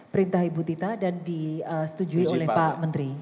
perintah ibu tita dan disetujui oleh pak menteri